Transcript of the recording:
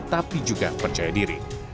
tapi juga percaya diri